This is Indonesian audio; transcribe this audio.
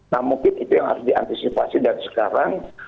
nah mungkin itu yang harus diantisipasi dari sekarang